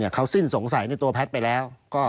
เขาสิ้นสงสัยในตัวแพทย์ไปแล้ว